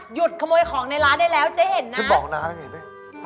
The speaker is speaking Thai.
หยุดขโมยของในร้านได้แล้วเจ๊เห็นน้ำจะบอกน้ำนะเว้ย